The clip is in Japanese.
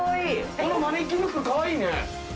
このマネキンの服かわいいね。